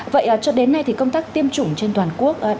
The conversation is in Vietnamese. vậy cho đến nay thì công tác tiêm chủng trên toàn quốc